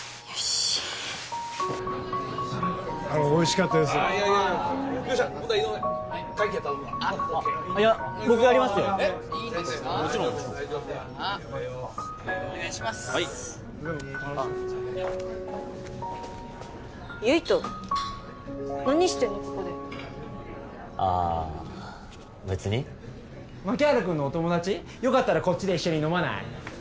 よかったらこっちで一緒に飲まない？